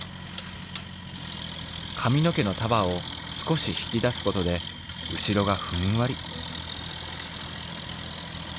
髪の毛の束を少しひき出すことでうしろがふんわり。